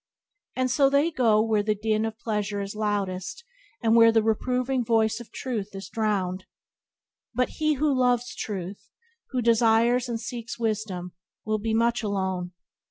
And so they go where the din of pleasure is loudest and where the reproving voice of Truth is drowned. But he who loves Truth, who desires and seeks wisdom, will be much alone.